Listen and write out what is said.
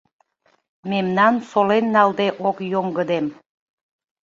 Мемнан солен налде ок йоҥгыдем.